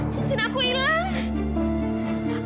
cincin aku ilang